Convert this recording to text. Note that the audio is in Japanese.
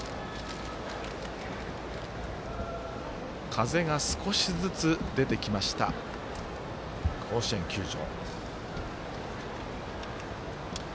風が少しずつ出てきました甲子園球場。